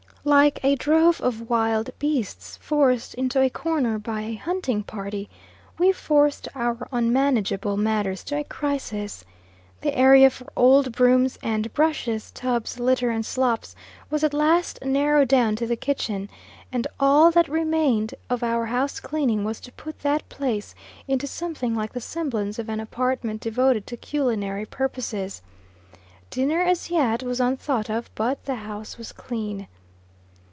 Like a drove of wild beasts forced into a corner by a hunting party, we forced our unmanageable matters to a crisis. The area for old brooms and brushes, tubs, litter, and slops, was at last narrowed down to the kitchen, and all that remained of our house cleaning was to put that place into something like the semblance of an apartment devoted to culinary purposes. Dinner, as yet, was unthought of but the house was clean!